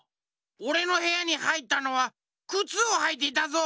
おれのへやにはいったのはくつをはいていたぞ！